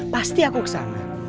pasti aku kesana